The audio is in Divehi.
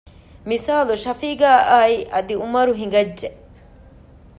މިސާލު ޝަފީޤާއާއި އަދި ޢުމަރު ހިނގައްޖެ